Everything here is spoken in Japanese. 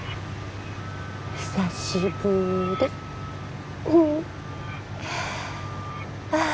久しぶりああ